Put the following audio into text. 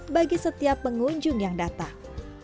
bagi setiap pengunjung yang datang